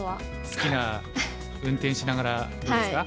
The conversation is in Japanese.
好きな運転しながらどうですか？